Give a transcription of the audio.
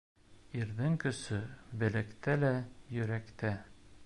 Ирҙең көсө беләктә лә, йөрәктә.